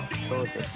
そうです。